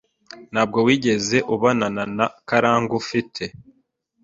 Ntabwo wigeze ubonana na Karangwa, ufite?